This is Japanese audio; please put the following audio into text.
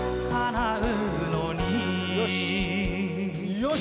よし！